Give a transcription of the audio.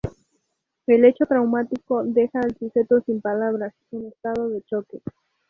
El hecho traumático deja al sujeto sin palabras, en estado de choque.